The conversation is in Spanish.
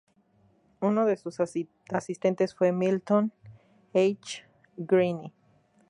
Uno de sus asistentes fue Milton H. Greene.